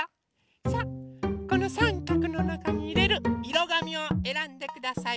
さあこのさんかくのなかにいれるいろがみをえらんでください。